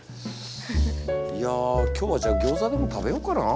いや今日はじゃあギョーザでも食べようかな。